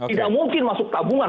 tidak mungkin masuk tabungan